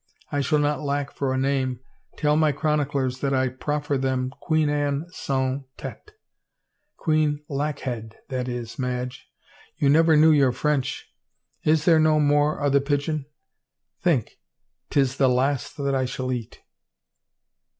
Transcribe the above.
I shall not lack for a name — tell my chroniclers that I proffer them Queen Anne Sans Tete — Queen Lackhead, that is, Madge. You never knew your French. ... Is there no more o' the pigeon? Think — 'tis the last that I shall eat."